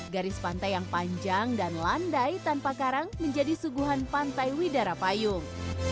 garis pantai yang panjang dan landai tanpa karang menjadi suguhan pantai widara payung